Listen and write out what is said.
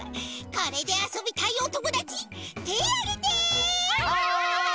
これであそびたいおともだちてあげて！